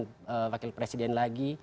calon wakil presiden lagi